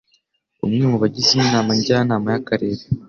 umwe mu bagize Inama Njyanama y'Akarere